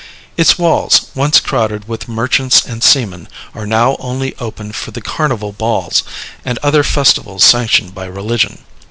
Its walls, once crowded with merchants and seamen, are now only opened for the Carnival balls and other festivals sanctioned by religion.